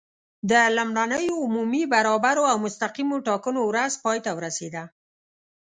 د لومړنیو عمومي، برابرو او مستقیمو ټاکنو ورځ پای ته ورسېده.